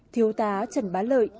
thiếu tá trần bá lợi